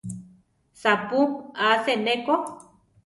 Sapú asé ne ko.